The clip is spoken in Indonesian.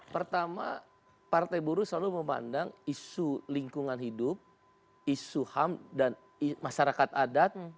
pertama partai buruh selalu memandang isu lingkungan hidup isu ham dan masyarakat adat